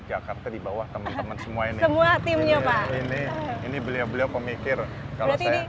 jakarta di bawah teman teman semua ini ini beliau beliau pemikir kalau saya